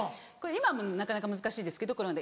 今はなかなか難しいですけどコロナで。